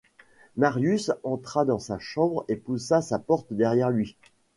Marius entra dans sa chambre et poussa sa porte derrière lui.